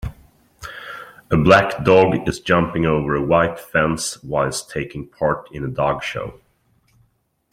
a black dog is jumping over a white fence whilst taking part in a dog show.